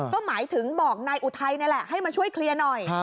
ก็หมายถึงบอกนายอุทัยนี่แหละให้มาช่วยเคลียร์หน่อย